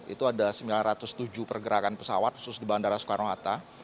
itu ada sembilan ratus tujuh pergerakan pesawat khusus di bandara soekarno hatta